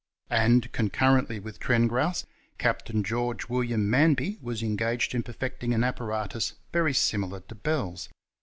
and, concurrently with Trengrouse, Captain George William Manby [q. v.] was engaged in perfecting an apparatus very similar to Bell's.